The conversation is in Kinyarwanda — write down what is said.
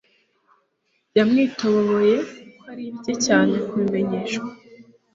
Yamwitobobobeye ko ari bike cyane kubimenyeshwa